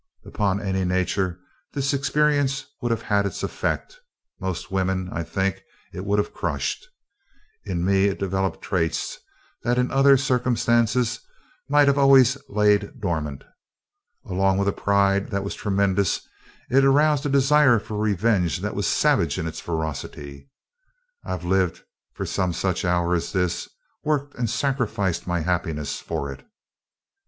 "Upon any nature this experience would have had its effect most women, I think, it would have crushed. In me it developed traits that in other circumstances might always have lain dormant. Along with a pride that was tremendous, it aroused a desire for revenge that was savage in its ferocity. I've lived for some such hour as this worked, and sacrificed my happiness for it.